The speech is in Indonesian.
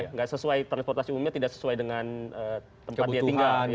tidak sesuai transportasi umumnya tidak sesuai dengan tempat dia tinggal